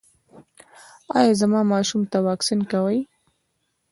ایا زما ماشوم ته واکسین کوئ؟